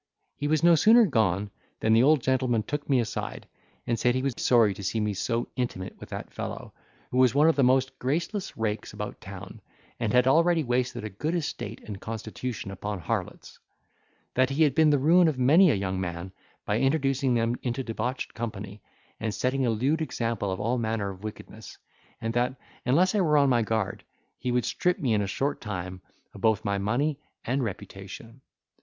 He was no sooner gone than the old gentleman took me aside, and said, he was sorry to see me so intimate with that fellow, who was one of the most graceless rakes about town, and had already wasted a good estate and constitution upon harlots; that he had been the ruin of many a young man, by introducing them into debauched company, and setting a lewd example of all manner of wickedness; and that, unless I were on my guard, he would strip me in a short time both of my money and reputation.